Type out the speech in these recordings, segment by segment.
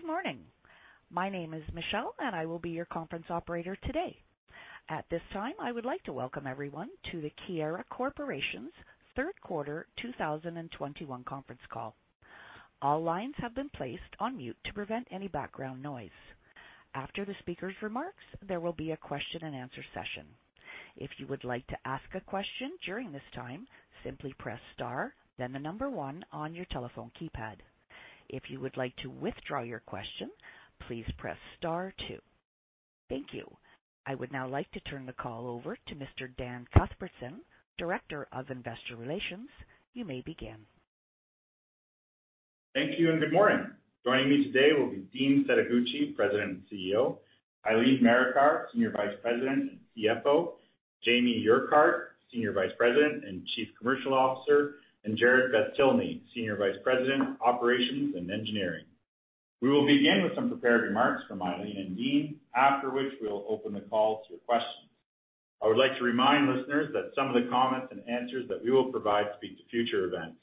Good morning. My name is Michelle, and I will be your conference operator today. At this time, I would like to welcome everyone to the Keyera Corp's third quarter 2021 conference call. All lines have been placed on mute to prevent any background noise. After the speaker's remarks, there will be a question-and-answer session. If you would like to ask a question during this time, simply press star then the number one on your telephone keypad. If you would like to withdraw your question, please press star two. Thank you. I would now like to turn the call over to Mr. Dan Cuthbertson, Director of Investor Relations. You may begin. Thank you and good morning. Joining me today will be Dean Setoguchi, President and CEO, Eileen Marikar, Senior Vice President and CFO, Jamie Urquhart, Senior Vice President and Chief Commercial Officer, and Jarrod Beztilny, Senior Vice President, Operations and Engineering. We will begin with some prepared remarks from Eileen and Dean, after which we will open the call to your questions. I would like to remind listeners that some of the comments and answers that we will provide speak to future events.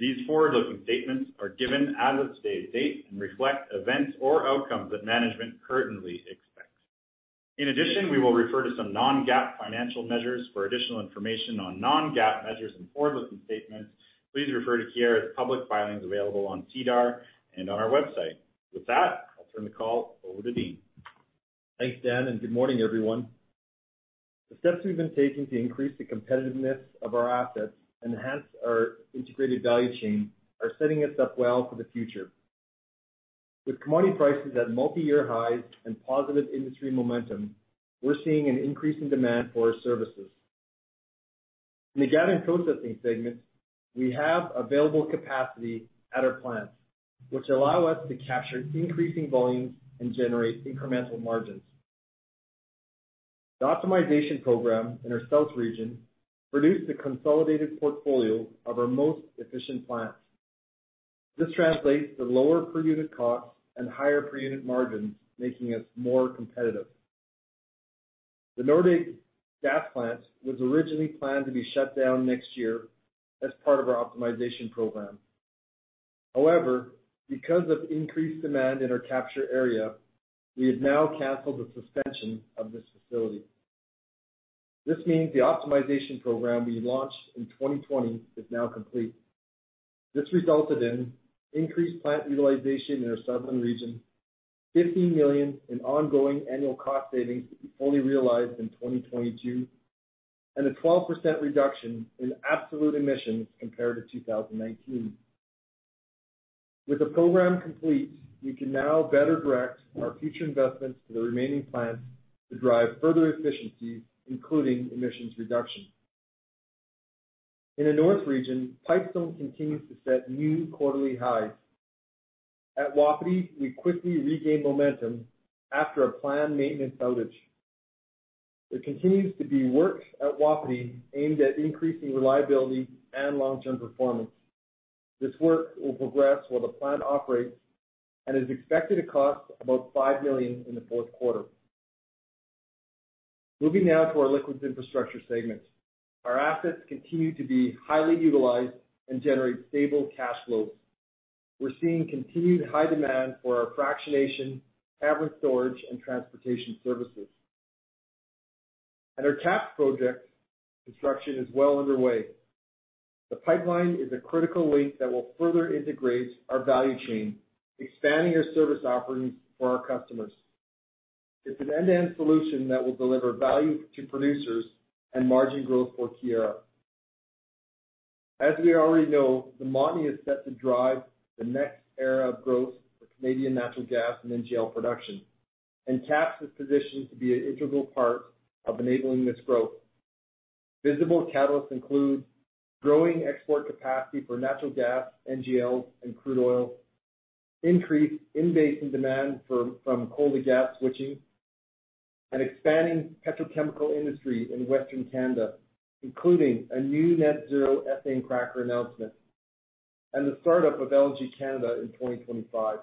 These forward-looking statements are given as of today's date and reflect events or outcomes that management currently expects. In addition, we will refer to some non-GAAP financial measures. For additional information on non-GAAP measures and forward-looking statements, please refer to Keyera's public filings available on SEDAR and on our website. With that, I'll turn the call over to Dean. Thanks, Dan, and good morning, everyone. The steps we've been taking to increase the competitiveness of our assets enhance our integrated value chain are setting us up well for the future. With commodity prices at multi-year highs and positive industry momentum, we're seeing an increase in demand for our services. In the Gathering Processing segments, we have available capacity at our plants, which allow us to capture increasing volumes and generate incremental margins. The optimization program in our south region produced a consolidated portfolio of our most efficient plants. This translates to lower per unit costs and higher per unit margins, making us more competitive. The Nordegg River Gas Plant was originally planned to be shut down next year as part of our optimization program. However, because of increased demand in our capture area, we have now canceled the suspension of this facility. This means the optimization program we launched in 2020 is now complete. This resulted in increased plant utilization in our southern region, 50 million in ongoing annual cost savings to be fully realized in 2022, and a 12% reduction in absolute emissions compared to 2019. With the program complete, we can now better direct our future investments to the remaining plants to drive further efficiencies, including emissions reduction. In the north region, Pipestone continues to set new quarterly highs. At Wapiti, we quickly regained momentum after a planned maintenance outage. There continues to be work at Wapiti aimed at increasing reliability and long-term performance. This work will progress while the plant operates and is expected to cost about 5 million in the fourth quarter. Moving now to our liquids infrastructure segments. Our assets continue to be highly utilized and generate stable cash flows. We're seeing continued high demand for our fractionation, cavern storage, and transportation services. At our KAPS project, construction is well underway. The pipeline is a critical link that will further integrate our value chain, expanding our service offerings for our customers. It's an end-to-end solution that will deliver value to producers and margin growth for Keyera. As we already know, the Montney is set to drive the next era of growth for Canadian natural gas and NGL production, and TAP is positioned to be an integral part of enabling this growth. Visible catalysts include growing export capacity for natural gas, NGL, and crude oil; increased in-basin demand from coal to gas switching; an expanding petrochemical industry in Western Canada, including a new net-zero ethane cracker announcement; and the startup of LNG Canada in 2025.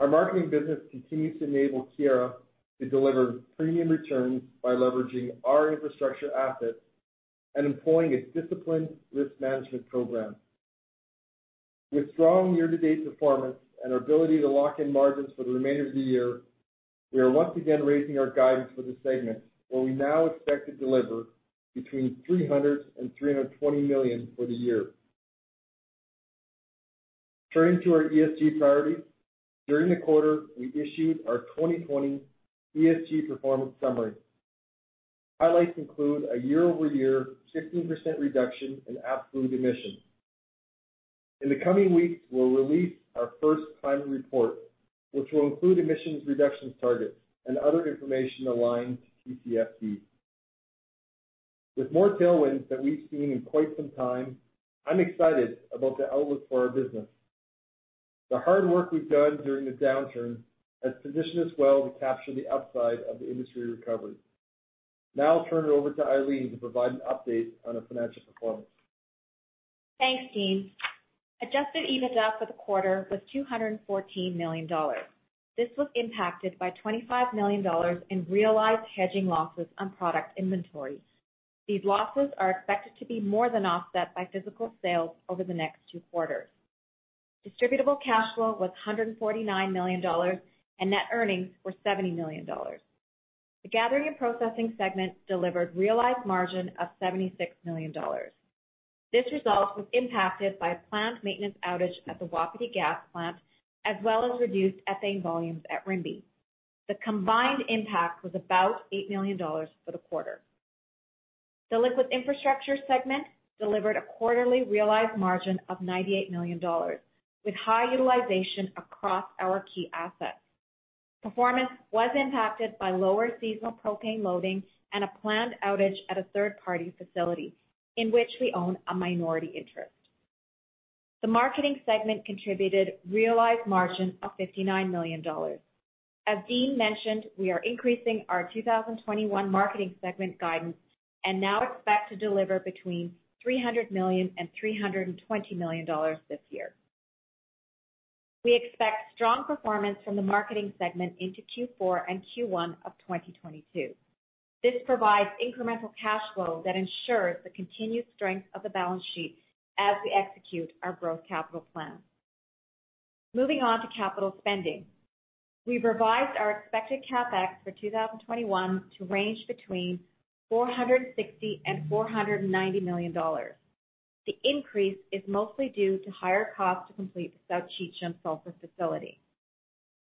Our marketing business continues to enable Keyera to deliver premium returns by leveraging our infrastructure assets and employing a disciplined risk management program. With strong year-to-date performance and our ability to lock in margins for the remainder of the year, we are once again raising our guidance for the segment, where we now expect to deliver between 300 million and 320 million for the year. Turning to our ESG priorities. During the quarter, we issued our 2020 ESG performance summary. Highlights include a year-over-year 15% reduction in absolute emissions. In the coming weeks, we'll release our first climate report, which will include emissions reduction targets and other information aligned to TCFD. With more tailwinds than we've seen in quite some time, I'm excited about the outlook for our business. The hard work we've done during the downturn has positioned us well to capture the upside of the industry recovery. Now I'll turn it over to Eileen to provide an update on our financial performance. Thanks, Dean. Adjusted EBITDA for the quarter was 214 million dollars. This was impacted by 25 million dollars in realized hedging losses on product inventories. These losses are expected to be more than offset by physical sales over the next two quarters. Distributable cash flow was 149 million dollars and net earnings were 70 million dollars. The gathering and processing segment delivered realized margin of 76 million dollars. This result was impacted by a planned maintenance outage at the Wapiti gas plant, as well as reduced ethane volumes at Rimbey. The combined impact was about 8 million dollars for the quarter. The liquid infrastructure segment delivered a quarterly realized margin of 98 million dollars, with high utilization across our key assets. Performance was impacted by lower seasonal propane loading and a planned outage at a third-party facility in which we own a minority interest. The marketing segment contributed realized margin of 59 million dollars. As Dean mentioned, we are increasing our 2021 marketing segment guidance and now expect to deliver between 300 million and 320 million dollars this year. We expect strong performance from the marketing segment into Q4 and Q1 of 2022. This provides incremental cash flow that ensures the continued strength of the balance sheet as we execute our growth capital plan. Moving on to capital spending. We've revised our expected CapEx for 2021 to range between 460 million and 490 million dollars. The increase is mostly due to higher costs to complete the South Cheecham sulfur facility.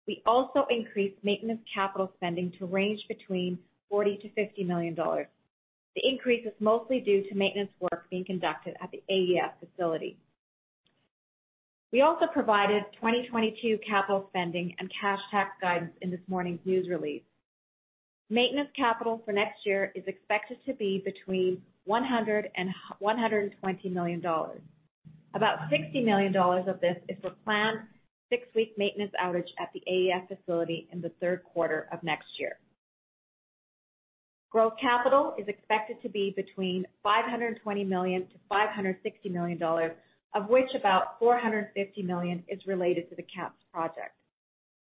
We also increased maintenance capital spending to range between 40 million and 50 million dollars. The increase is mostly due to maintenance work being conducted at the AEF facility. We also provided 2022 capital spending and cash tax guidance in this morning's news release. Maintenance capital for next year is expected to be between 100 million dollars and CAD 120 million. About 60 million dollars of this is for planned six-week maintenance outage at the AEF facility in the third quarter of next year. Growth capital is expected to be between 520 million and 560 million dollars, of which about 450 million is related to the KAPS project,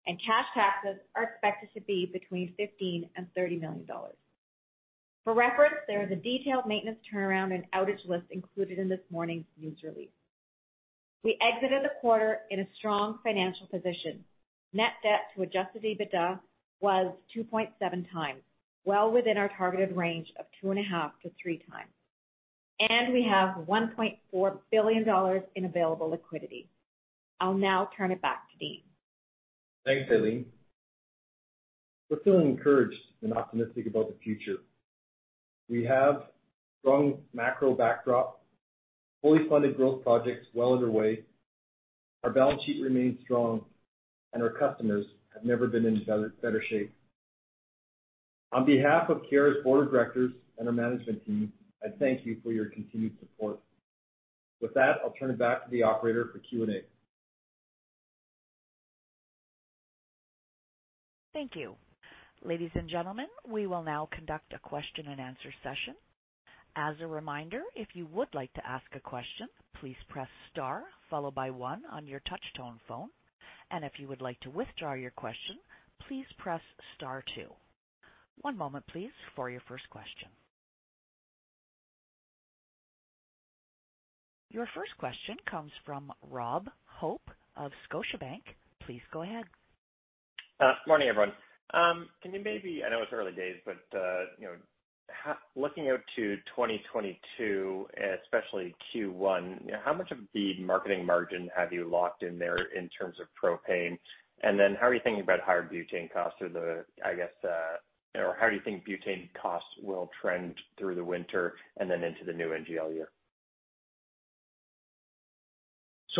and cash taxes are expected to be between 15 million and 30 million dollars. For reference, there is a detailed maintenance turnaround and outage list included in this morning's news release. We exited the quarter in a strong financial position. Net debt to Adjusted EBITDA was 2.7x, well within our targeted range of 2.5x-3x. We have 1.4 billion dollars in available liquidity. I'll now turn it back to Dean. Thanks, Eileen. We're feeling encouraged and optimistic about the future. We have strong macro backdrop, fully funded growth projects well underway. Our balance sheet remains strong and our customers have never been in better shape. On behalf of Keyera's Board of Directors and our management team, I thank you for your continued support. With that, I'll turn it back to the operator for Q&A. Thank you. Ladies and gentlemen, we will now conduct a question-and-answer session. As a reminder, if you would like to ask a question, please press star followed by one on your touch tone phone. If you would like to withdraw your question, please press star two. One moment please, for your first question. Your first question comes from Rob Hope of Scotiabank. Please go ahead. Morning, everyone. I know it's early days, but you know, looking out to 2022, especially Q1, how much of the marketing margin have you locked in there in terms of propane? Then how are you thinking about higher butane costs or the, I guess, or how do you think butane costs will trend through the winter and then into the new NGL year?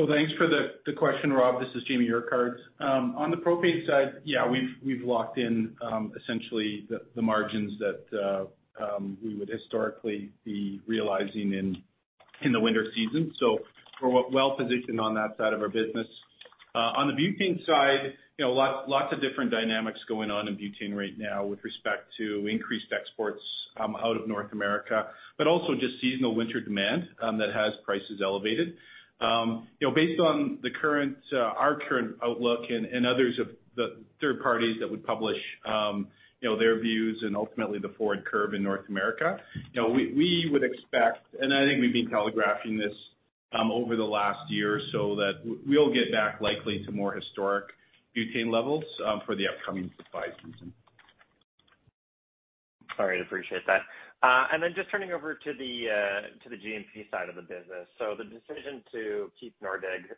Thanks for the question, Rob. This is Jamie Urquhart. On the propane side, yeah, we've locked in essentially the margins that we would historically be realizing in the winter season. We're well positioned on that side of our business. On the butane side, you know, lots of different dynamics going on in butane right now with respect to increased exports out of North America, but also just seasonal winter demand that has prices elevated. Based on our current outlook and others of the third parties that would publish their views and ultimately the forward curve in North America, you know, we would expect, and I think we've been telegraphing this over the last year or so that we'll get back likely to more historic butane levels for the upcoming supply season. All right. Appreciate that. Turning over to the GMP side of the business. The decision to keep Nordegg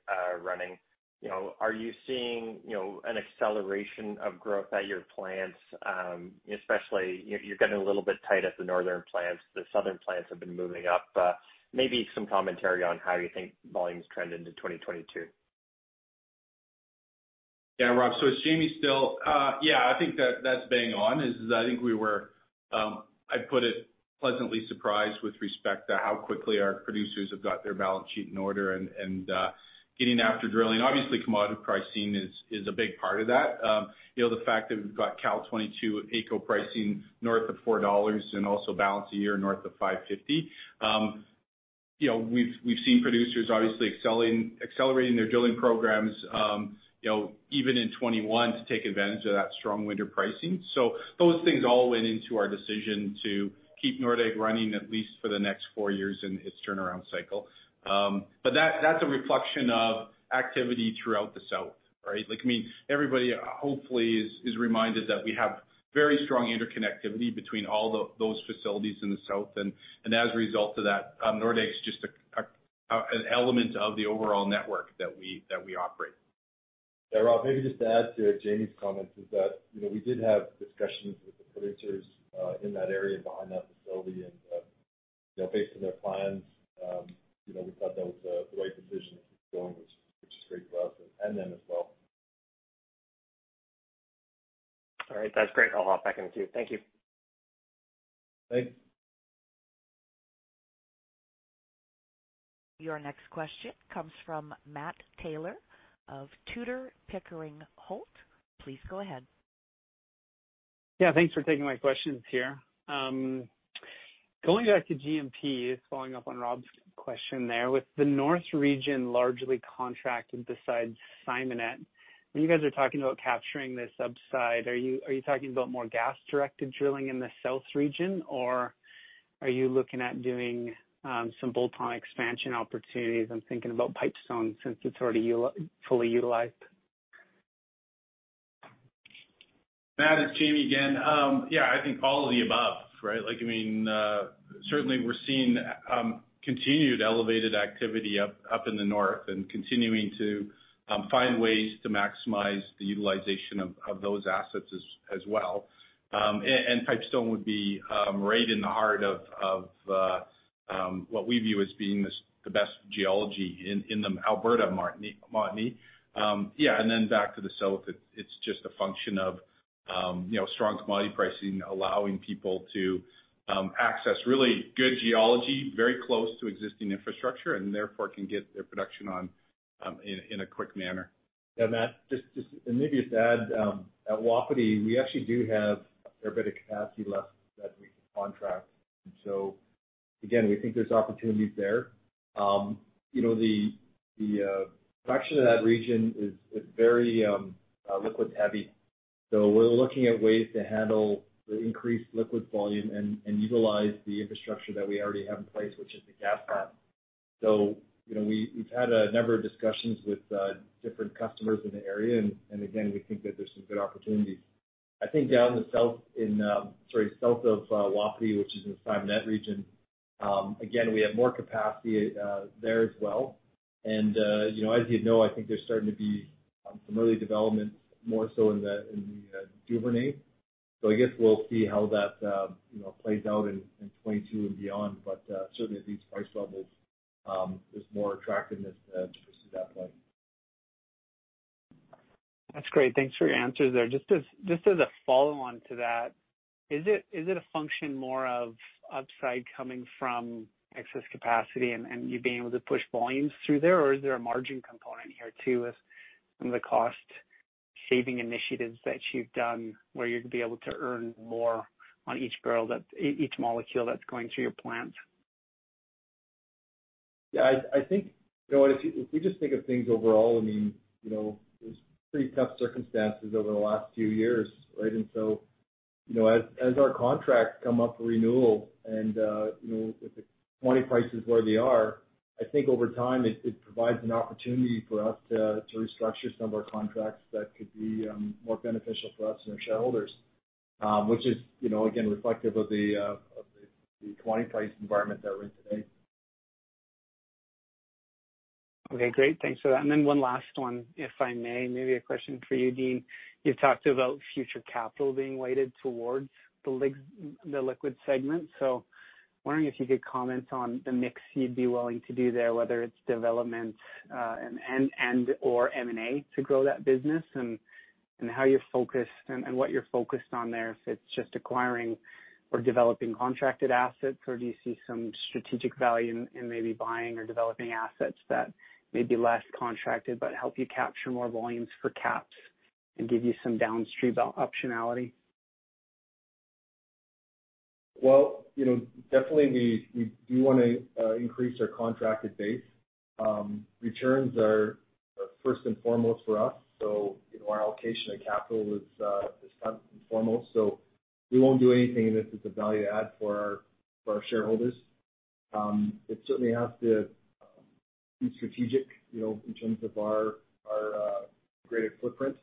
running, you know, are you seeing, you know, an acceleration of growth at your plants? Especially, you're getting a little bit tight at the northern plants. The southern plants have been moving up. Maybe some commentary on how you think volumes trend into 2022. Yeah, Rob. It's Jamie still. Yeah, I think that's bang on. I'd put it pleasantly surprised with respect to how quickly our producers have got their balance sheet in order and getting after drilling. Obviously, commodity pricing is a big part of that. You know, the fact that we've got Cal 22 AECO pricing north of 4 dollars and also 2021 north of 5.50. You know, we've seen producers obviously accelerating their drilling programs, you know, even in 2021 to take advantage of that strong winter pricing. Those things all went into our decision to keep Nordegg running at least for the next four years in its turnaround cycle. That's a reflection of activity throughout the south, right? Like, I mean, everybody hopefully is reminded that we have very strong interconnectivity between all those facilities in the south. As a result of that, Nordegg is just an element of the overall network that we operate. Yeah. Rob, maybe just to add to Jamie's comments, is that, you know, we did have discussions with the producers in that area behind that facility. You know, based on their plans, you know, we thought that was the right decision to keep going, which is great for us and them as well. All right. That's great. I'll hop back in queue. Thank you. Thanks. Your next question comes from Matt Taylor of Tudor, Pickering, Holt. Please go ahead. Yeah, thanks for taking my questions here. Going back to GMP, just following up on Rob's question there. With the north region largely contracted besides Simonette, when you guys are talking about capturing this upside, are you talking about more gas-directed drilling in the south region, or are you looking at doing some bolt-on expansion opportunities? I'm thinking about Pipestone since it's already fully utilized. Matt, it's Jamie again. Yeah, I think all of the above, right? Like, I mean, certainly we're seeing continued elevated activity up in the north and continuing to find ways to maximize the utilization of those assets as well. Pipestone would be right in the heart of what we view as being the best geology in the Alberta Montney. Yeah, then back to the south, it's just a function of you know, strong commodity pricing, allowing people to access really good geology very close to existing infrastructure, and therefore can get their production on in a quick manner. Yeah, Matt, and maybe to add, at Wapiti, we actually do have a fair bit of capacity left that we can contract. Again, we think there's opportunities there. You know, the production of that region is very liquids heavy. We're looking at ways to handle the increased liquids volume and utilize the infrastructure that we already have in place, which is the gas plant. You know, we've had a number of discussions with different customers in the area. Again, we think that there's some good opportunities. I think down south of Wapiti, which is in Simonette region, again, we have more capacity there as well. You know, as you'd know, I think there's starting to be some early developments, more so in the Duvernay. I guess we'll see how that you know, plays out in 2022 and beyond. Certainly at these price levels, there's more attractiveness to see that play. That's great. Thanks for your answers there. Just as a follow-on to that, is it a function more of upside coming from excess capacity and you being able to push volumes through there? Or is there a margin component here too, with some of the cost saving initiatives that you've done, where you'd be able to earn more on each molecule that's going through your plant? Yeah, I think, you know, if we just think of things overall, I mean, you know, it was pretty tough circumstances over the last few years, right? You know, as our contracts come up for renewal and, you know, with the commodity prices where they are, I think over time, it provides an opportunity for us to restructure some of our contracts that could be more beneficial for us and our shareholders, which is, you know, again, reflective of the commodity price environment that we're in today. Okay, great. Thanks for that. One last one, if I may. Maybe a question for you, Dean. You've talked about future capital being weighted towards the liquid segment. Wondering if you could comment on the mix you'd be willing to do there, whether it's development and/or M&A to grow that business, and how you're focused and what you're focused on there. If it's just acquiring or developing contracted assets, or do you see some strategic value in maybe buying or developing assets that may be less contracted but help you capture more volumes for KAPS and give you some downstream optionality? Well, you know, definitely we do wanna increase our contracted base. Returns are first and foremost for us, so, you know, our allocation of capital is first and foremost. We won't do anything unless it's a value add for our shareholders. It certainly has to be strategic, you know, in terms of our greater footprint.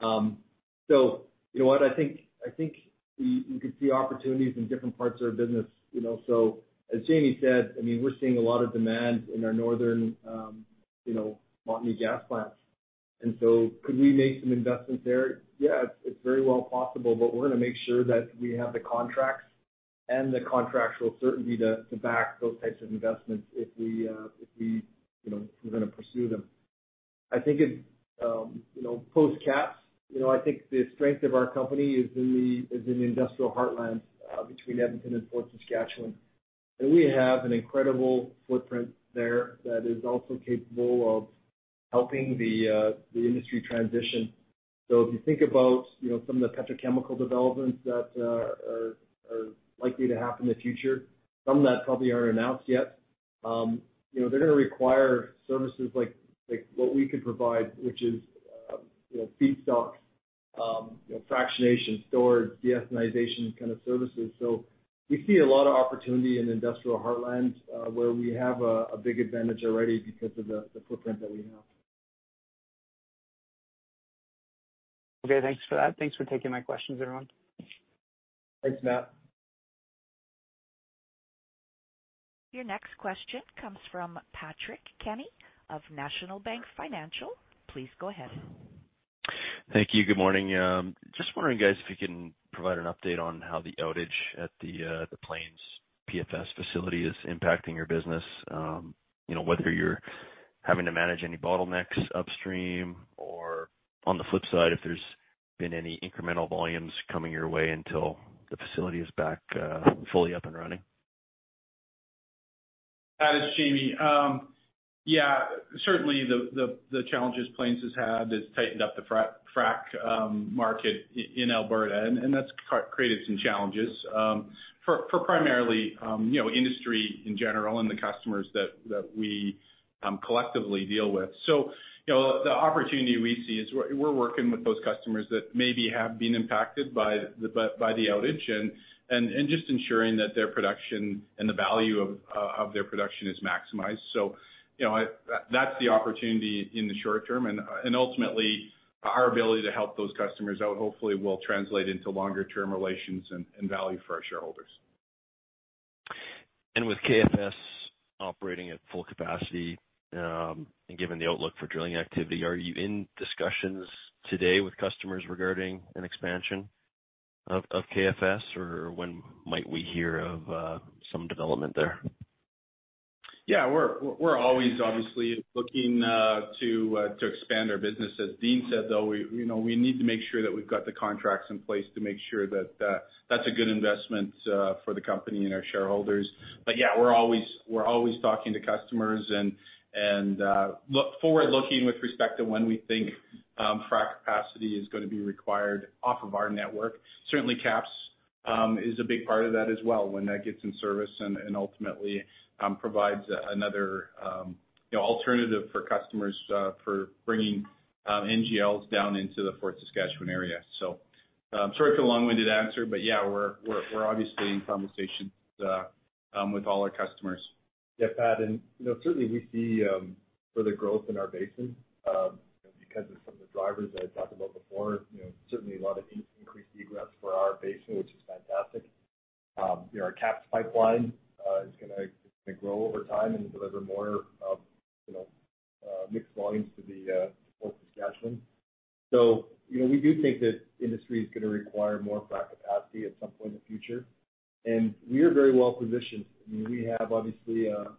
You know what? I think we could see opportunities in different parts of our business, you know. As Jamie said, I mean, we're seeing a lot of demand in our northern Montney gas plants. Could we make some investments there? Yeah, it's very well possible, but we're gonna make sure that we have the contracts and the contractual certainty to back those types of investments if we, if we, you know, if we're gonna pursue them. I think it, you know, post-KAPS, you know, I think the strength of our company is in the, is in the Industrial Heartland, between Edmonton and Fort Saskatchewan. We have an incredible footprint there that is also capable of helping the industry transition. If you think about, you know, some of the petrochemical developments that, are likely to happen in the future, some of that probably aren't announced yet. You know, they're gonna require services like, what we could provide, which is, you know, feedstocks, you know, fractionation, storage, de-ethanization kind of services. We see a lot of opportunity in the Industrial Heartland, where we have a big advantage already because of the footprint that we have. Okay, thanks for that. Thanks for taking my questions, everyone. Thanks, Matt. Your next question comes from Patrick Kenny of National Bank Financial. Please go ahead. Thank you. Good morning. Just wondering, guys, if you can provide an update on how the outage at the Plains PFS facility is impacting your business. You know, whether you're having to manage any bottlenecks upstream or on the flip side, if there's been any incremental volumes coming your way until the facility is back fully up and running. That is Jamie. Yeah, certainly the challenges Plains has had has tightened up the frac market in Alberta. And that's created some challenges for primarily you know industry in general and the customers that we collectively deal with. You know, the opportunity we see is we're working with those customers that maybe have been impacted by the outage and just ensuring that their production and the value of their production is maximized. You know, that's the opportunity in the short term. Ultimately, our ability to help those customers out hopefully will translate into longer term relations and value for our shareholders. With KFS operating at full capacity, and given the outlook for drilling activity, are you in discussions today with customers regarding an expansion of KFS, or when might we hear of some development there? Yeah, we're always obviously looking to expand our business. As Dean said, though, you know, we need to make sure that we've got the contracts in place to make sure that that's a good investment for the company and our shareholders. Yeah, we're always talking to customers and looking forward with respect to when we think frac capacity is gonna be required off of our network. Certainly, KAPS is a big part of that as well when that gets in service and ultimately provides another you know, alternative for customers for bringing NGLs down into the Fort Saskatchewan area. Sorry for the long-winded answer, yeah, we're obviously in conversations with all our customers. Yeah, Pat, you know, certainly we see further growth in our basin, you know, because of some of the drivers that I talked about before. You know, certainly a lot of increased egress for our basin, which is fantastic. You know, our KAPS pipeline is gonna grow over time and deliver more of, you know, mixed volumes to Fort Saskatchewan. You know, we do think that industry is gonna require more frac capacity at some point in the future. We are very well positioned. I mean, we have obviously a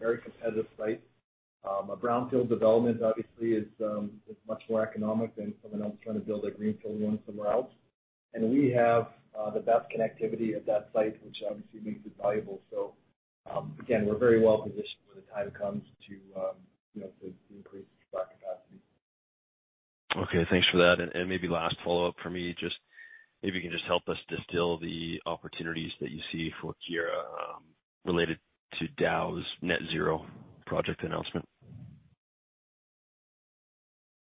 very competitive site. A brownfield development obviously is much more economic than someone else trying to build a greenfield one somewhere else. We have the best connectivity at that site, which obviously makes it valuable. Again, we're very well positioned when the time comes to, you know, to increase frac capacity. Okay, thanks for that. Maybe last follow-up for me, just maybe you can just help us distill the opportunities that you see for Keyera, related to Dow's net-zero project announcement.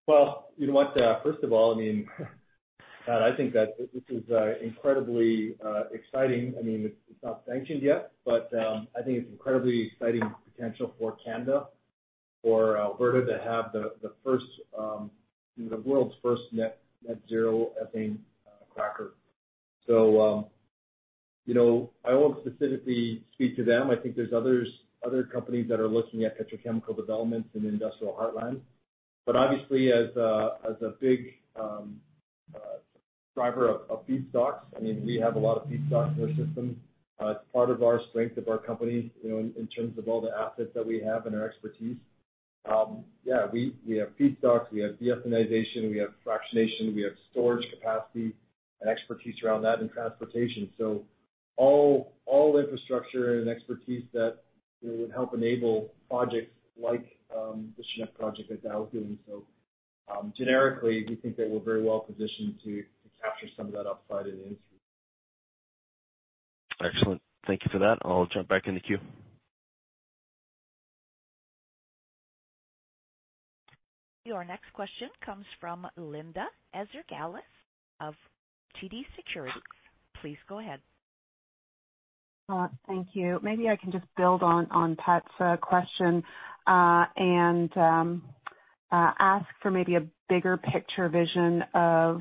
Well, you know what, first of all, I mean, Pat, I think that this is incredibly exciting. I mean, it's not sanctioned yet, but I think it's incredibly exciting potential for Canada, for Alberta to have the world's first net zero ethane cracker. You know, I won't specifically speak to them. I think there's other companies that are looking at petrochemical developments in the Industrial Heartland. But obviously, as a big driver of feedstocks, I mean, we have a lot of feedstocks in our system. It's part of our strength of our company, you know, in terms of all the assets that we have and our expertise. Yeah, we have feedstocks, we have de-ethanization, we have fractionation, we have storage capacity and expertise around that and transportation. All infrastructure and expertise that would help enable projects like the SNEP project that Dow is doing. Generically, we think that we're very well positioned to capture some of that upside in the industry. Excellent. Thank you for that. I'll jump back in the queue. Your next question comes from Linda Ezergailis of TD Securities. Please go ahead. Thank you. Maybe I can just build on Pat's question and ask for a bigger picture vision of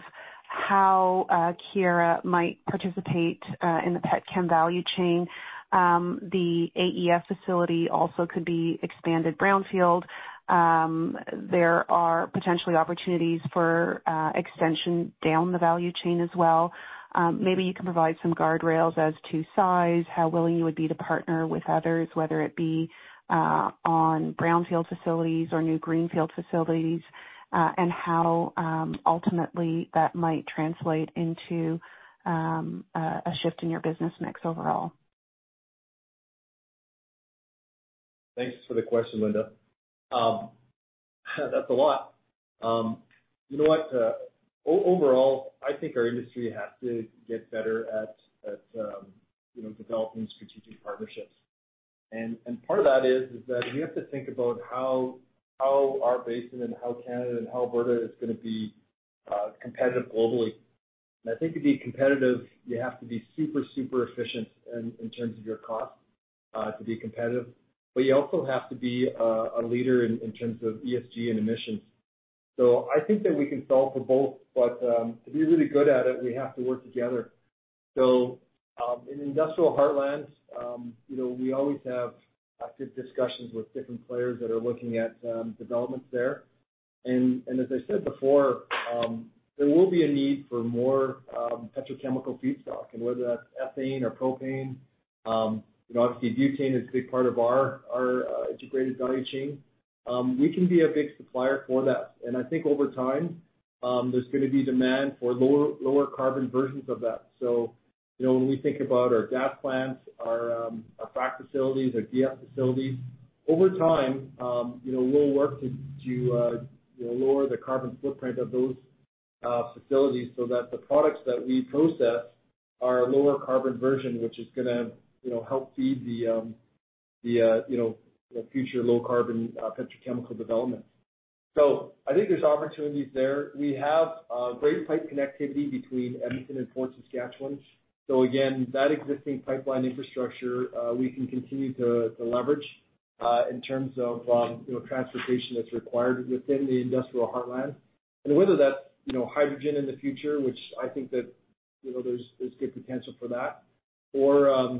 how Keyera might participate in the pet chem value chain. The AEF facility also could be expanded brownfield. There are potentially opportunities for extension down the value chain as well. Maybe you can provide some guardrails as to size, how willing you would be to partner with others, whether it be on brownfield facilities or new greenfield facilities, and how ultimately that might translate into a shift in your business mix overall. Thanks for the question, Linda. That's a lot. You know what? Overall, I think our industry has to get better at, you know, developing strategic partnerships. Part of that is that we have to think about how our basin and how Canada and how Alberta is gonna be competitive globally. I think to be competitive, you have to be super efficient in terms of your cost to be competitive, but you also have to be a leader in terms of ESG and emissions. I think that we can solve for both, but to be really good at it, we have to work together. In Industrial Heartland, you know, we always have active discussions with different players that are looking at developments there. As I said before, there will be a need for more petrochemical feedstock, and whether that's ethane or propane, you know, obviously butane is a big part of our integrated value chain. We can be a big supplier for that. I think over time, there's gonna be demand for lower carbon versions of that. You know, when we think about our gas plants, our frac facilities, our DF facilities, over time, you know, we'll work to to you know, lower the carbon footprint of those facilities so that the products that we process are a lower carbon version, which is gonna you know, help feed the the you know, the future low carbon petrochemical development. I think there's opportunities there. We have great pipe connectivity between Edmonton and Fort Saskatchewan. Again, that existing pipeline infrastructure we can continue to leverage in terms of you know transportation that's required within the Industrial Heartland. Whether that's you know hydrogen in the future, which I think that you know there's good potential for that or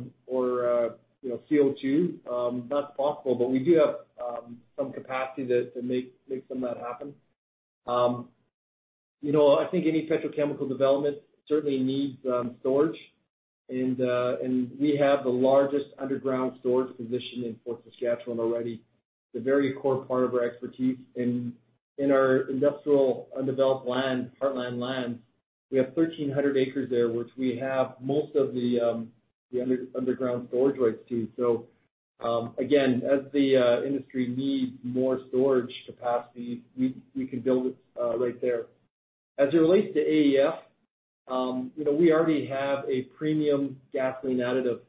you know CO2 that's possible, but we do have some capacity to make some of that happen. You know I think any petrochemical development certainly needs storage. We have the largest underground storage position in Fort Saskatchewan already. It's a very core part of our expertise. In our industrial undeveloped land Heartland land we have 1,300 acres there, which we have most of the underground storage rights to. Again, as the industry needs more storage capacity, we can build it right there. As it relates to AEF, you know, we already have a premium gasoline additive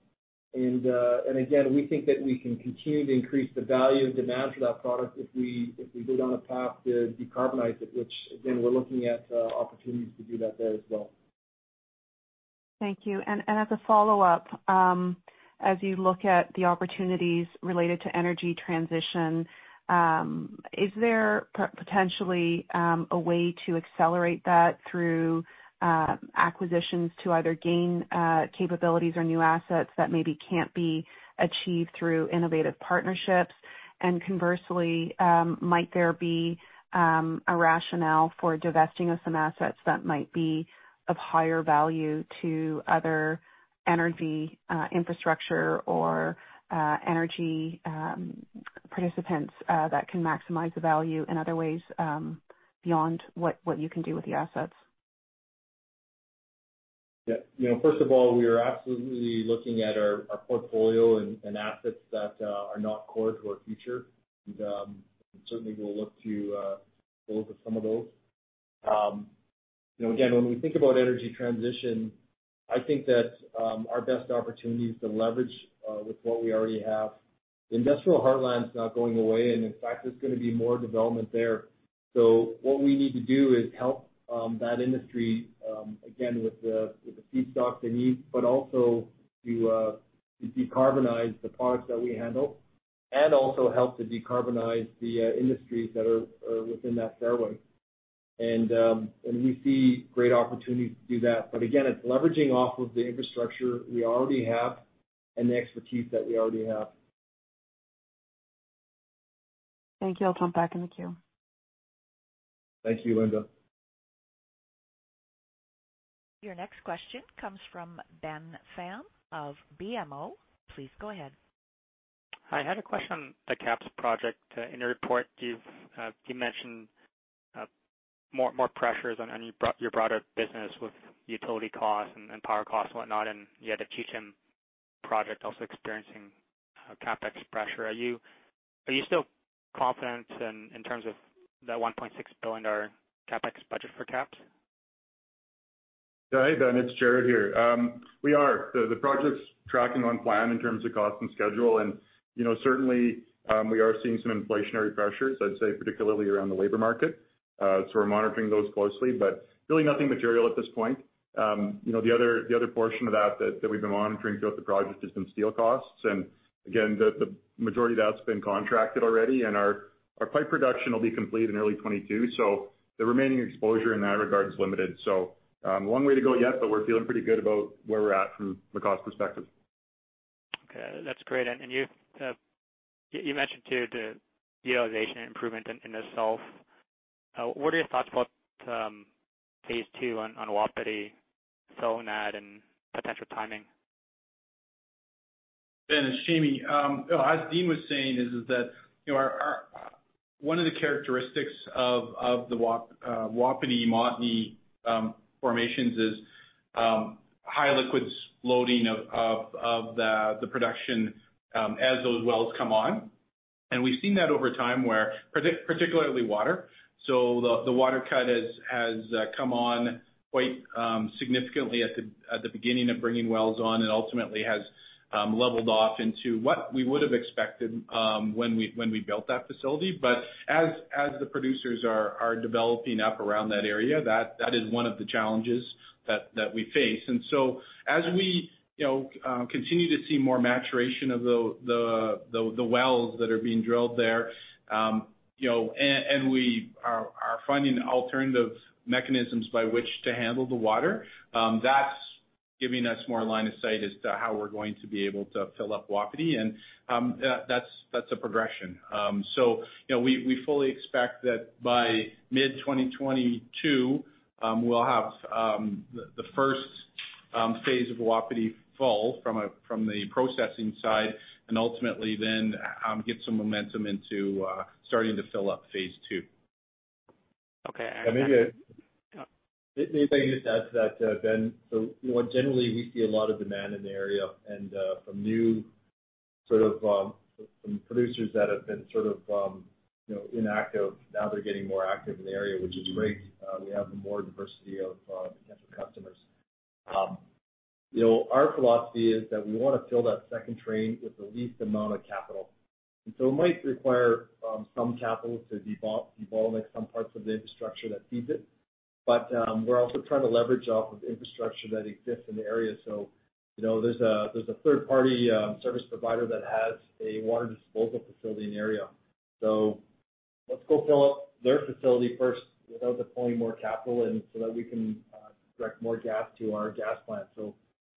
and again, we think that we can continue to increase the value and demand for that product if we go down a path to decarbonize it, which again, we're looking at opportunities to do that there as well. Thank you. As a follow-up, as you look at the opportunities related to energy transition, is there potentially a way to accelerate that through acquisitions to either gain capabilities or new assets that maybe can't be achieved through innovative partnerships? Conversely, might there be a rationale for divesting of some assets that might be of higher value to other energy infrastructure or energy participants that can maximize the value in other ways, beyond what you can do with the assets? Yeah. You know, first of all, we are absolutely looking at our portfolio and assets that are not core to our future. Certainly we'll look to dispose of some of those. You know, again, when we think about energy transition, I think that our best opportunity is to leverage with what we already have. The Industrial Heartland is not going away, and in fact, there's gonna be more development there. What we need to do is help that industry again with the feedstock they need, but also to decarbonize the products that we handle and also help to decarbonize the industries that are within that fairway. We see great opportunities to do that. Again, it's leveraging off of the infrastructure we already have and the expertise that we already have. Thank you. I'll jump back in the queue. Thank you, Linda. Your next question comes from Ben Pham of BMO. Please go ahead. Hi. I had a question on the KAPS project. In your report, you've mentioned more pressures on your broader business with utility costs and power costs and whatnot, and you had the Cheecham project also experiencing CapEx pressure. Are you still confident in terms of that 1.6 billion dollar CapEx budget for KAPS? Yeah. Hey, Ben, it's Jarrod here. The project's tracking on plan in terms of cost and schedule and, you know, certainly, we are seeing some inflationary pressures, I'd say particularly around the labor market. We're monitoring those closely, but really nothing material at this point. You know, the other portion of that we've been monitoring throughout the project has been steel costs. Again, the majority of that's been contracted already and our pipe production will be complete in early 2022. The remaining exposure in that regard is limited. A long way to go yet, but we're feeling pretty good about where we're at from the cost perspective. Okay. That's great. You mentioned the utilization improvement in the South. What are your thoughts about phase two on Wapiti, Simonette and potential timing? Ben, it's Jamie. You know, as Dean was saying is that, you know, our One of the characteristics of the Wapiti Montney formations is high liquids loading of the production as those wells come on. We've seen that over time, where, particularly, water, the water cut has come on quite significantly at the beginning of bringing wells on, and ultimately has leveled off into what we would've expected when we built that facility. As the producers are developing up around that area, that is one of the challenges that we face. As we, you know, continue to see more maturation of the wells that are being drilled there, you know, and we are finding alternative mechanisms by which to handle the water, that's giving us more line of sight as to how we're going to be able to fill up Wapiti. That's a progression. You know, we fully expect that by mid 2022, we'll have the first phase of Wapiti full from the processing side, and ultimately then get some momentum into starting to fill up phase II. Okay. Maybe I... Yeah. Maybe if I can just add to that, Ben. You know, generally we see a lot of demand in the area and from producers that have been you know inactive, now they're getting more active in the area, which is great. We have more diversity of potential customers. You know, our philosophy is that we wanna fill that second train with the least amount of capital. It might require some capital to develop some parts of the infrastructure that feeds it. We're also trying to leverage off of infrastructure that exists in the area. You know, there's a third-party service provider that has a water disposal facility in the area. Let's go fill up their facility first without deploying more capital, and so that we can direct more gas to our gas plant.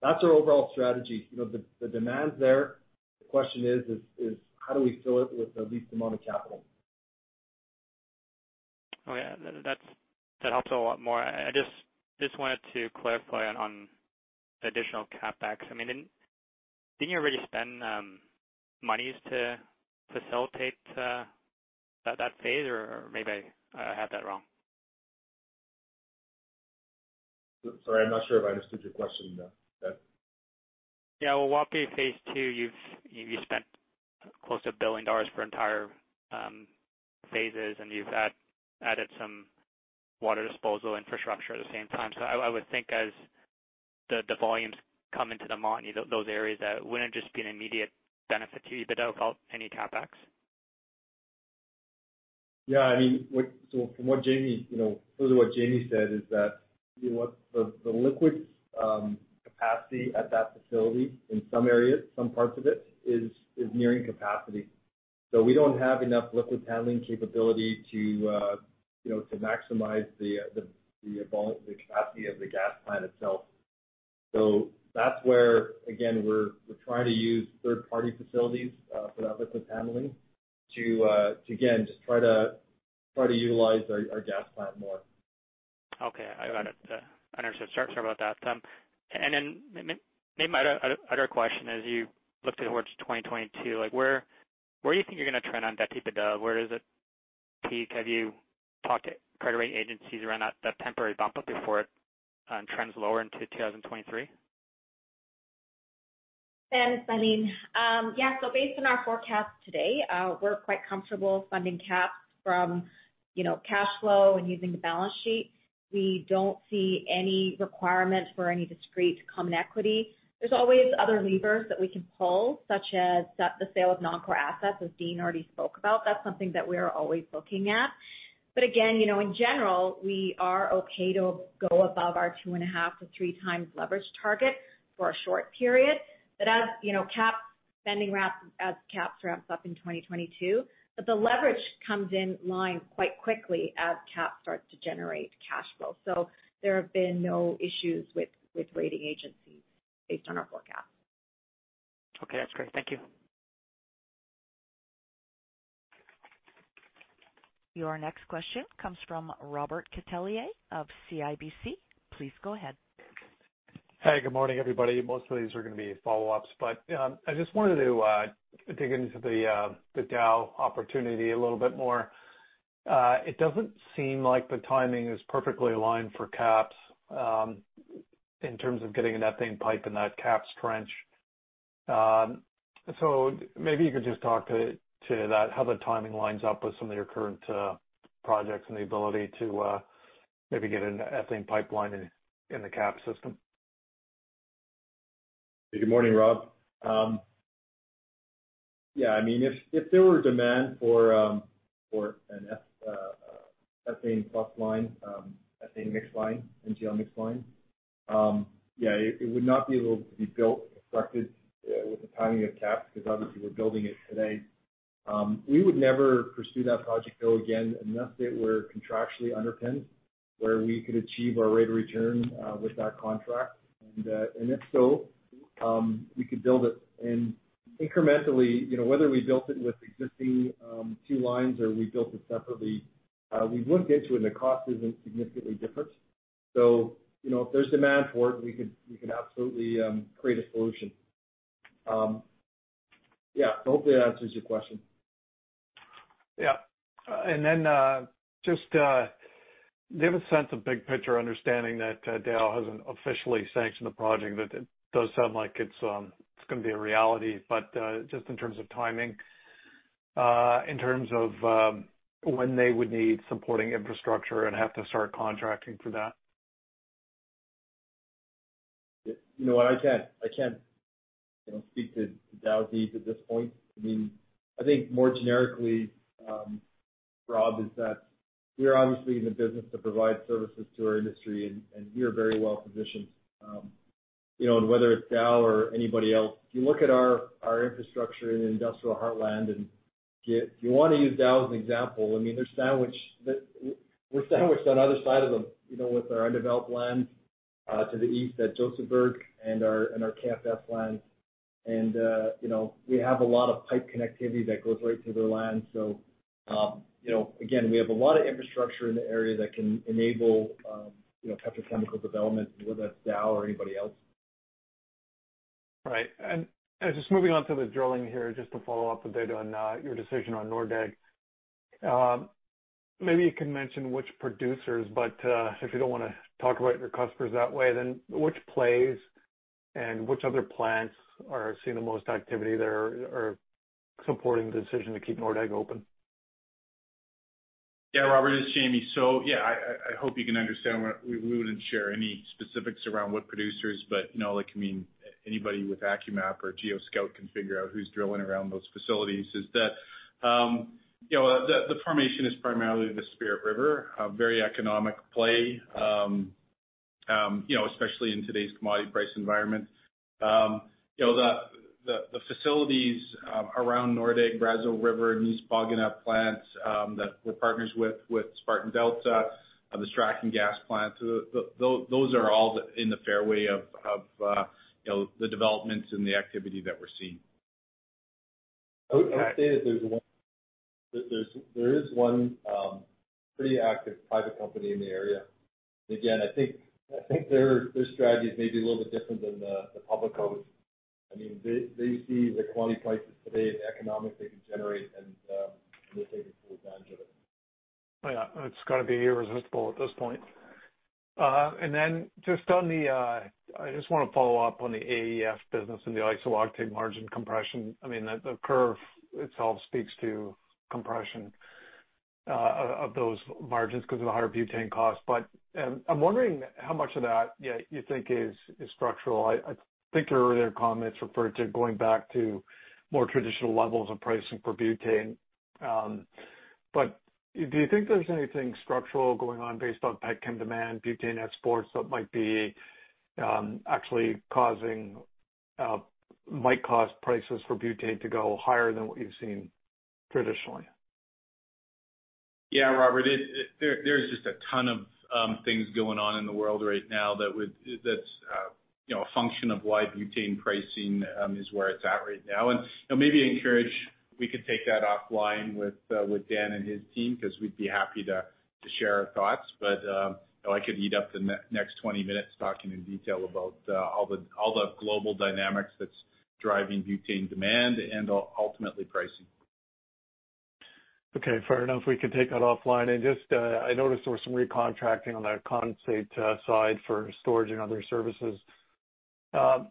That's our overall strategy. You know, the demand's there. The question is how do we fill it with the least amount of capital? Oh, yeah. That helps a lot more. I just wanted to clarify on the additional CapEx. I mean, didn't you already spend monies to facilitate that phase? Or maybe I have that wrong. Sorry, I'm not sure if I understood your question, though, Ben. Yeah. Well, Wapiti phase II, you've spent close to 1 billion dollars for entire phases, and you've added some water disposal infrastructure at the same time. I would think as the volumes come into the Montney, those areas, that wouldn't just be an immediate benefit to you, but that would help any CapEx. I mean, from what Jamie, you know, sort of what Jamie said is that, you know, what the liquids capacity at that facility in some areas, some parts of it is nearing capacity. We don't have enough liquid handling capability to, you know, to maximize the capacity of the gas plant itself. That's where, again, we're trying to use third-party facilities for that liquid handling to, again, just try to utilize our gas plant more. Okay. I got it. I understood. Sorry about that. Maybe my other question is you looked towards 2022, like where do you think you're gonna trend on debt to EBITDA? Where does it peak? Have you talked to credit rating agencies around that temporary bump up before it trends lower into 2023? Ben, it's Eileen. Based on our forecast today, we're quite comfortable funding capex from, you know, cash flow and using the balance sheet. We don't see any requirement for any discrete common equity. There's always other levers that we can pull, such as the sale of non-core assets, as Dean already spoke about. That's something that we are always looking at. Again, you know, in general, we are okay to go above our 2.5x-3x leverage target for a short period. As capex ramps up in 2022, the leverage comes in line quite quickly as capex starts to generate cash flow. There have been no issues with rating agencies based on our forecast. Okay. That's great. Thank you. Your next question comes from Robert Catellier of CIBC. Please go ahead. Hey, good morning, everybody. Most of these are gonna be follow-ups, but I just wanted to dig into the Dow opportunity a little bit more. It doesn't seem like the timing is perfectly aligned for KAPS in terms of getting an ethane pipe in that KAPS trench. So maybe you could just talk to that, how the timing lines up with some of your current projects and the ability to maybe get an ethane pipeline in the KAPS system. Good morning, Rob. Yeah, I mean, if there were demand for an ethane plus line, ethane mixed line, NGL mixed line, yeah, it would not be able to be built, constructed with the timing of KAPS, because obviously we're building it today. We would never pursue that project though again, unless it were contractually underpinned where we could achieve our rate of return with that contract. If so, we could build it. Incrementally, you know, whether we built it with existing two lines or we built it separately, we've looked into it and the cost isn't significantly different. You know, if there's demand for it, we could absolutely create a solution. Yeah, hopefully that answers your question. Yeah. Just do you have a sense of big picture understanding that Dow hasn't officially sanctioned the project, but it does sound like it's gonna be a reality, but just in terms of timing, in terms of when they would need supporting infrastructure and have to start contracting for that? You know what? I can't speak to Dow deeply at this point. I mean, I think more generically, Rob, is that we're obviously in the business to provide services to our industry and we are very well positioned. You know, whether it's Dow or anybody else, if you look at our infrastructure in the industrial heartland, and if you wanna use Dow as an example, I mean, they're sandwiched. We're sandwiched on either side of them, you know, with our undeveloped land to the east at Josephburg and our KFS land. You know, we have a lot of pipe connectivity that goes right through their land. You know, again, we have a lot of infrastructure in the area that can enable petrochemical development, whether that's Dow or anybody else. Right. Just moving on to the drilling here, just to follow up a bit on your decision on Nordegg. Maybe you can mention which producers, but if you don't wanna talk about your customers that way, then which plays and which other plants are seeing the most activity there are supporting the decision to keep Nordegg open? Yeah. Robert, it's Jamie. Yeah, I hope you can understand why we wouldn't share any specifics around what producers, but you know, like, I mean, anybody with AccuMap or geoSCOUT can figure out who's drilling around those facilities. That is, you know, the formation is primarily the Spirit River, a very economic play, you know, especially in today's commodity price environment. You know, the facilities around Nordegg, Brazeau River, Nees-Ohpawganu'ck plants, that we're partners with Spartan Delta, the Strachan gas plant, those are all in the fairway of you know, the developments and the activity that we're seeing. I would say that there's one pretty active private company in the area. Again, I think their strategy is maybe a little bit different than the public owners. I mean, they see the commodity prices today and the economics they can generate and they're taking full advantage of it. Yeah. It's gotta be irresistible at this point. I just want to follow up on the AEF business and the isooctane margin compression. I mean, the curve itself speaks to compression of those margins 'cause of the higher butane costs. I'm wondering how much of that you think is structural. I think your earlier comments referred to going back to more traditional levels of pricing for butane. Do you think there's anything structural going on based on pet chem demand, butane exports that might actually cause prices for butane to go higher than what you've seen traditionally? Yeah. Robert, there is just a ton of things going on in the world right now that's, you know, a function of why butane pricing is where it's at right now. You know, maybe we could take that offline with Dan and his team 'cause we'd be happy to share our thoughts. You know, I could eat up the next 20 minutes talking in detail about all the global dynamics that's driving butane demand and ultimately pricing. Okay. Fair enough. We can take that offline. Just, I noticed there was some recontracting on the condensate side for storage and other services. I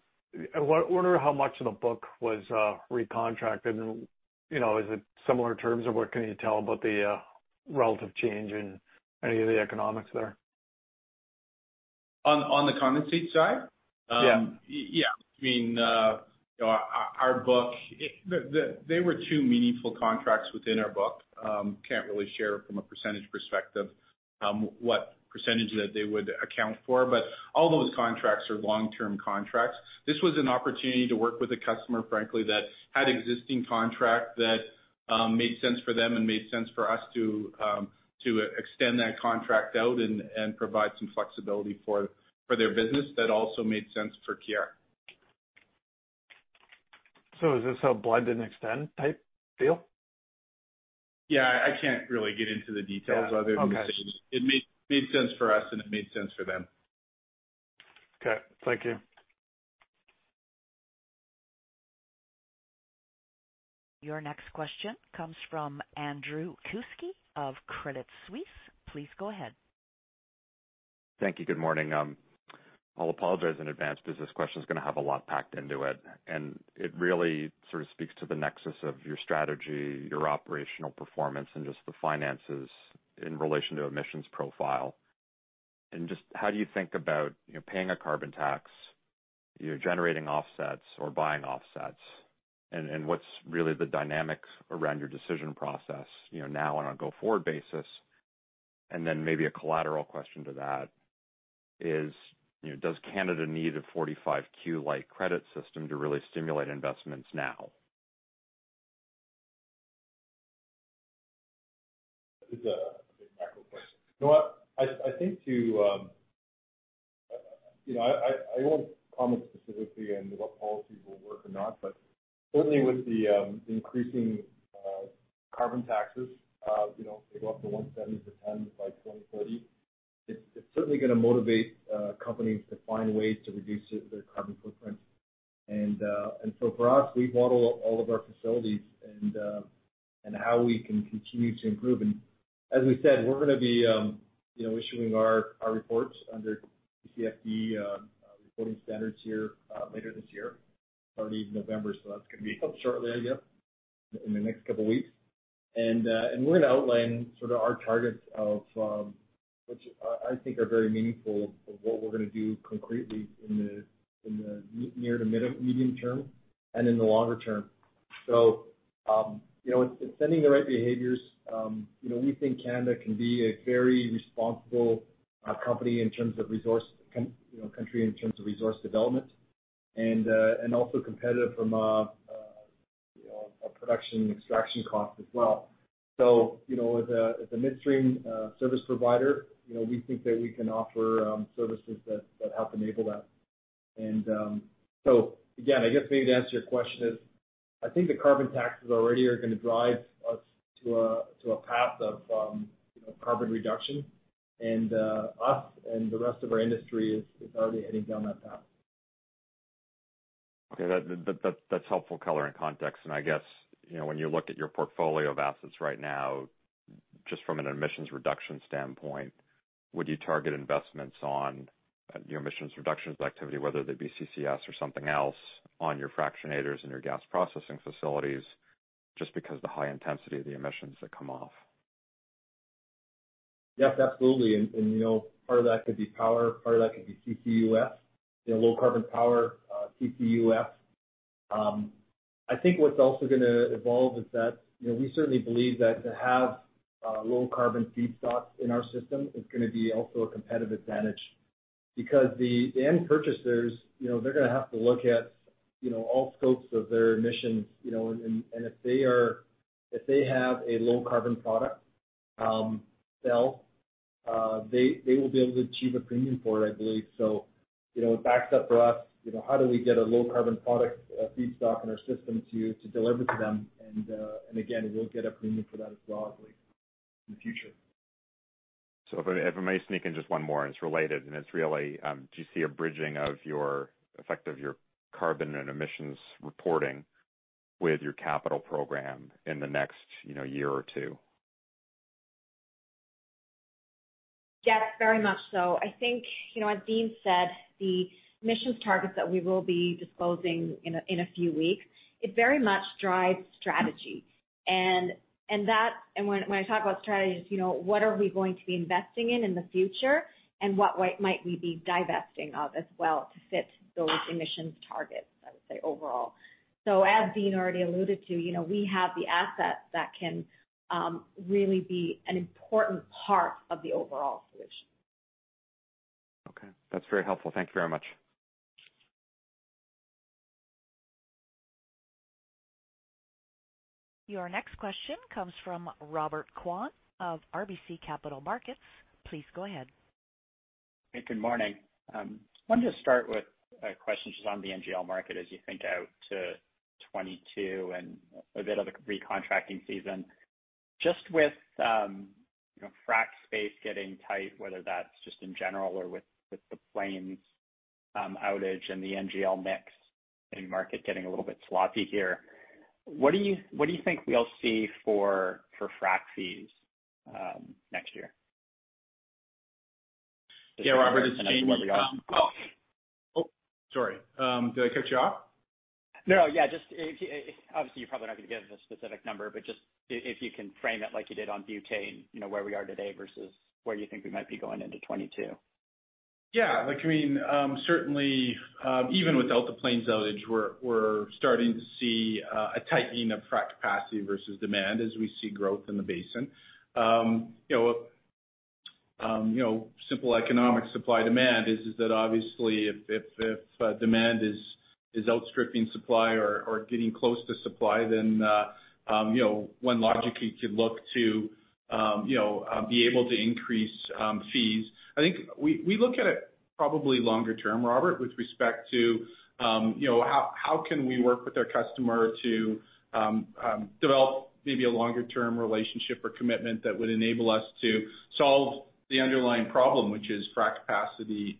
wonder how much of the book was recontracted and, you know, is it similar terms, or what can you tell about the relative change in any of the economics there? On the condensate side? Yeah. Yeah. I mean, you know, there were two meaningful contracts within our book. Can't really share from a percentage perspective what percentage that they would account for, but all those contracts are long-term contracts. This was an opportunity to work with a customer, frankly, that had an existing contract that made sense for them and made sense for us to extend that contract out and provide some flexibility for their business that also made sense for Keyera. Is this a blend and extend type deal? Yeah. I can't really get into the details other than to say. Okay. It made sense for us, and it made sense for them. Okay. Thank you. Your next question comes from Andrew Kuske of Credit Suisse. Please go ahead. Thank you. Good morning. I'll apologize in advance because this question is going to have a lot packed into it. And it really sort of speaks to the nexus of your strategy, your operational performance, and just the finances in relation to emissions profile. And just how do you think about, you know, paying a carbon tax, you're generating offsets, or buying offsets, and what's really the dynamics around your decision process, you know, now on a go-forward basis? And then maybe a collateral question to that is, you know, does Canada need a 45Q-like credit system to really stimulate investments now? It's a big macro question. You know what? I think, too, you know, I won't comment specifically on what policies will work or not, but certainly with the increasing carbon taxes, you know, they go up to 170% by 2030. It's certainly gonna motivate companies to find ways to reduce their carbon footprint. So for us, we model all of our facilities and how we can continue to improve. As we said, we're gonna be issuing our reports under TCFD reporting standards here later this year, starting in November. So that's gonna be up shortly, I guess, in the next couple weeks. We're gonna outline sort of our targets of Which I think are very meaningful of what we're gonna do concretely in the near to medium term and in the longer term. You know, it's sending the right behaviors. You know, we think Canada can be a very responsible country in terms of resource development and also competitive from a production extraction cost as well. You know, as a midstream service provider, you know, we think that we can offer services that help enable that. So again, I guess maybe to answer your question is, I think the carbon taxes already are gonna drive us to a path of carbon reduction. Us and the rest of our industry is already heading down that path. Okay. That's helpful color and context. I guess, you know, when you look at your portfolio of assets right now, just from an emissions reduction standpoint, would you target investments on your emissions reductions activity, whether they be CCS or something else, on your fractionators and your gas processing facilities, just because the high intensity of the emissions that come off? Yes, absolutely. You know, part of that could be power, part of that could be CCUS. You know, low carbon power, CCUS. I think what's also gonna evolve is that, you know, we certainly believe that to have low carbon feedstocks in our system is gonna be also a competitive advantage because the end purchasers, you know, they're gonna have to look at, you know, all scopes of their emissions, you know, and if they have a low carbon product sale, they will be able to achieve a premium for it, I believe. You know, it backs up for us, you know, how do we get a low carbon product feedstock in our system to deliver to them? Again, we'll get a premium for that as well, I believe, in the future. If I may sneak in just one more, and it's related, and it's really, do you see a bridging of your efforts on your carbon and emissions reporting with your capital program in the next, you know, year or two? Yes, very much so. I think, you know, as Dean said, the emissions targets that we will be disclosing in a few weeks, it very much drives strategy. When I talk about strategies, you know, what are we going to be investing in in the future, and what might we be divesting of as well to fit those emissions targets, I would say, overall. As Dean already alluded to, you know, we have the assets that can really be an important part of the overall solution. Okay. That's very helpful. Thank you very much. Your next question comes from Robert Kwan of RBC Capital Markets. Please go ahead. Hey, good morning. Let me just start with a question just on the NGL market as you think out to 2022 and a bit of a recontracting season. Just with you know, frack space getting tight, whether that's just in general or with the Plains outage and the NGL mix in market getting a little bit sloppy here, what do you think we'll see for frack fees next year? Yeah, Robert, it's Dean. Oh, sorry. Did I cut you off? No. Yeah, obviously, you're probably not gonna give us a specific number, but just if you can frame it like you did on butane, you know, where we are today versus where you think we might be going into 2022. Yeah. Like, I mean, certainly, even without the Plains outage, we're starting to see a tightening of frack capacity versus demand as we see growth in the basin. You know, simple economic supply-demand is that obviously if demand is outstripping supply or getting close to supply, then you know, one logically could look to be able to increase fees. I think we look at it probably longer term, Robert, with respect to you know, how can we work with our customer to develop maybe a longer term relationship or commitment that would enable us to solve the underlying problem, which is frack capacity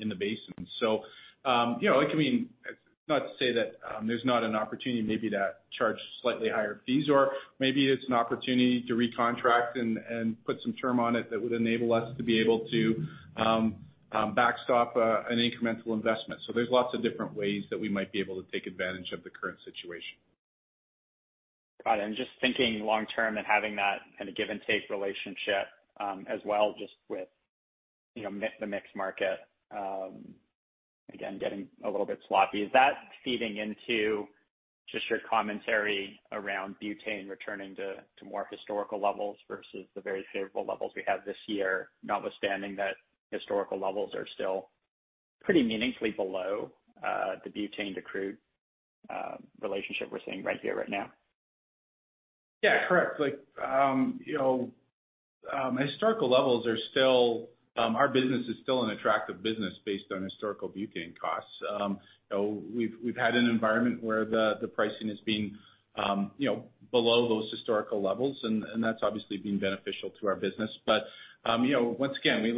in the basin. You know, like, I mean, it's not to say that there's not an opportunity maybe to charge slightly higher fees or maybe it's an opportunity to recontract and put some term on it that would enable us to be able to backstop an incremental investment. There's lots of different ways that we might be able to take advantage of the current situation. Got it. Just thinking long term and having that in a give and take relationship, as well, just with the mixed market, again, getting a little bit sloppy. Is that feeding into just your commentary around butane returning to more historical levels versus the very favorable levels we have this year, notwithstanding that historical levels are still pretty meaningfully below the butane to crude relationship we're seeing right here, right now? Yeah, correct. Like, you know. At historical levels, our business is still an attractive business based on historical butane costs. We've had an environment where the pricing is being, you know, below those historical levels, and that's obviously been beneficial to our business. You know, once again, we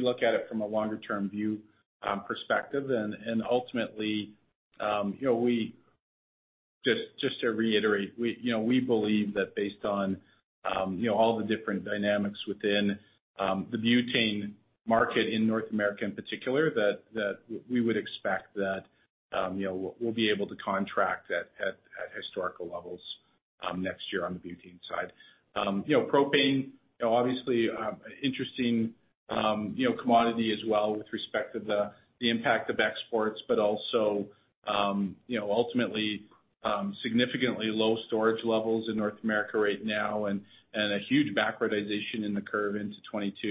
look at it from a longer-term perspective. Ultimately, you know, to reiterate, you know, we believe that based on, you know, all the different dynamics within the butane market in North America in particular, that we would expect that, you know, we'll be able to contract at historical levels next year on the butane side. You know, propane, you know, obviously, interesting, you know, commodity as well with respect to the impact of exports, but also, you know, ultimately, significantly low storage levels in North America right now and a huge backwardation in the curve into 2022.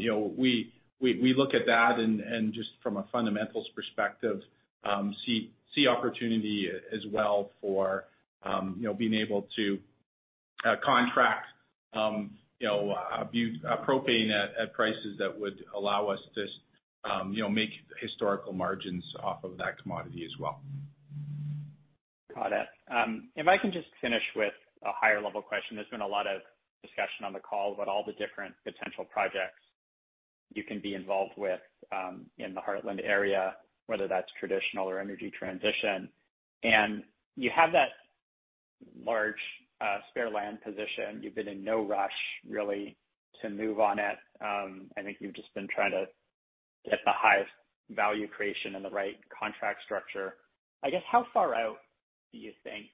You know, we look at that and just from a fundamentals perspective, see opportunity as well for, you know, being able to contract, you know, propane at prices that would allow us to, you know, make historical margins off of that commodity as well. Got it. If I can just finish with a higher level question. There's been a lot of discussion on the call about all the different potential projects you can be involved with, in the Heartland area, whether that's traditional or energy transition. You have that large, spare land position. You've been in no rush really to move on it. I think you've just been trying to get the highest value creation and the right contract structure. I guess, how far out do you think,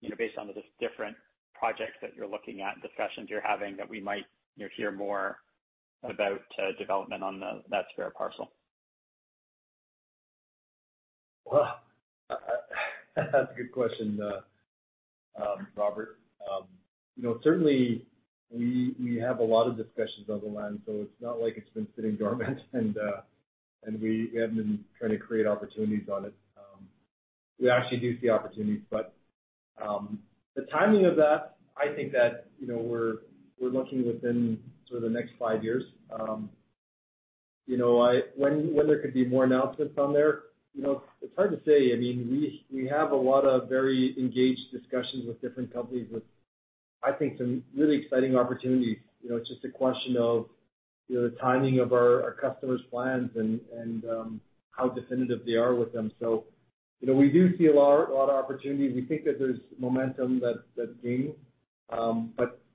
you know, based on the different projects that you're looking at and discussions you're having, that we might, you know, hear more about, development on that spare parcel? Well, that's a good question, Robert. You know, certainly we have a lot of discussions on the land, so it's not like it's been sitting dormant and we haven't been trying to create opportunities on it. We actually do see opportunities. The timing of that, I think that, you know, we're looking within sort of the next five years. You know, when there could be more announcements on there, you know, it's hard to say. I mean, we have a lot of very engaged discussions with different companies with, I think some really exciting opportunities. You know, it's just a question of, you know, the timing of our customers' plans and how definitive they are with them. You know, we do see a lot of opportunities. We think that there's momentum that's gained.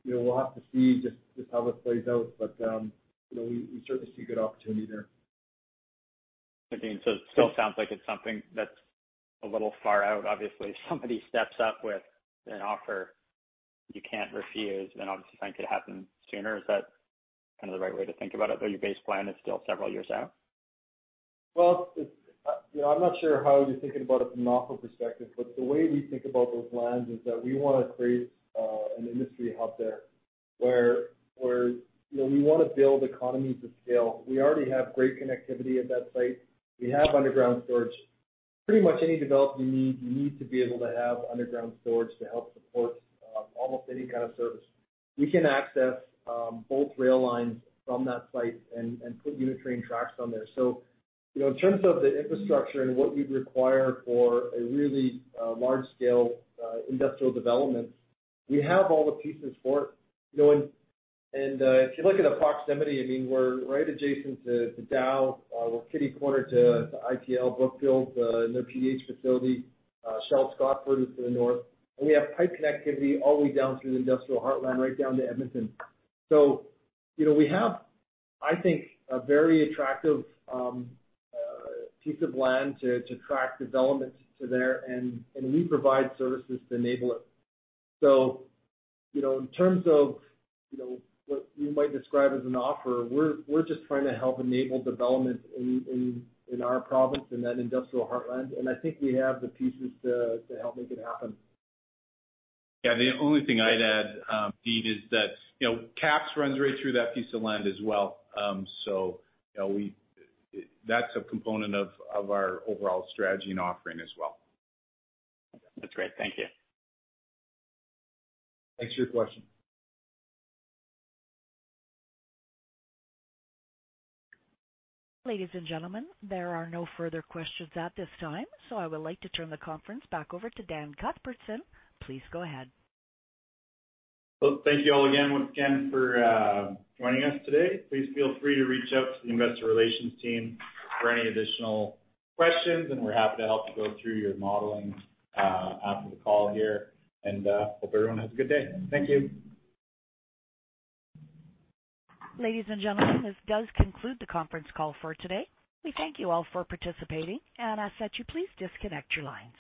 You know, we'll have to see just how this plays out. You know, we certainly see good opportunity there. Again, it still sounds like it's something that's a little far out. Obviously, if somebody steps up with an offer you can't refuse, then obviously something could happen sooner. Is that kind of the right way to think about it? Though your base plan is still several years out. Well, you know, I'm not sure how you're thinking about it from an offer perspective, but the way we think about those lands is that we wanna create an industry hub there where you know, we wanna build economies of scale. We already have great connectivity at that site. We have underground storage. Pretty much any development you need, you need to be able to have underground storage to help support almost any kind of service. We can access both rail lines from that site and put unit train tracks on there. So, you know, in terms of the infrastructure and what we'd require for a really large scale industrial development, we have all the pieces for it, you know. If you look at the proximity, I mean, we're right adjacent to Dow. We're kitty-corner to IPL/Brookfield and their PDH facility. Shell Scotford is to the north. We have pipe connectivity all the way down through the industrial heartland right down to Edmonton. You know, we have, I think, a very attractive piece of land to attract development to there and we provide services to enable it. You know, in terms of what you might describe as an offer, we're just trying to help enable development in our province, in that industrial heartland, and I think we have the pieces to help make it happen. Yeah. The only thing I'd add, Dean, is that, you know, KAPS runs right through that piece of land as well. So, you know, that's a component of our overall strategy and offering as well. That's great. Thank you. Thanks for your question. Ladies and gentlemen, there are no further questions at this time, so I would like to turn the conference back over to Dan Cuthbertson. Please go ahead. Well, thank you all again once again for joining us today. Please feel free to reach out to the investor relations team for any additional questions, and we're happy to help you go through your modeling after the call here. Hope everyone has a good day. Thank you. Ladies and gentlemen, this does conclude the conference call for today. We thank you all for participating and ask that you please disconnect your lines.